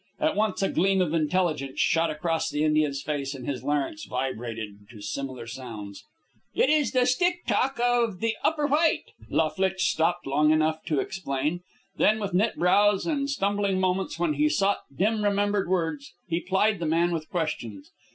At once a gleam of intelligence shot across the Indian's face, and his larynx vibrated to similar sounds. "It is the Stick talk of the Upper White," La Flitche stopped long enough to explain. Then, with knit brows and stumbling moments when he sought dim remembered words, he plied the man with questions.